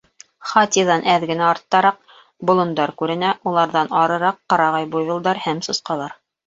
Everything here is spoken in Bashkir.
Хатиҙан әҙ генә артта-раҡ боландар күренә, уларҙан арыраҡ — ҡырағай буйволдар һәм сусҡалар.